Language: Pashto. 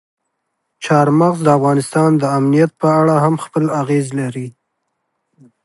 چار مغز د افغانستان د امنیت په اړه هم خپل اغېز لري.